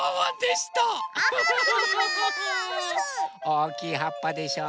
おおきいはっぱでしょ。